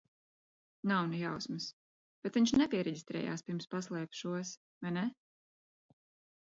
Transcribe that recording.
Nav ne jausmas, bet viņš nepiereģistrējās, pirms paslēpa šos, vai ne?